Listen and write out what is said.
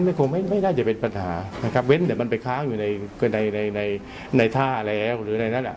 อ๋อประเด็นนั้นไม่คงไม่ได้จะเป็นปัญหานะครับเว้นเดี๋ยวมันไปค้าอยู่ในในในในท่าอะไรแหละหรือในนั้นอ่ะ